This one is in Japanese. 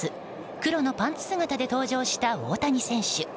黒のパンツ姿で登場した大谷選手。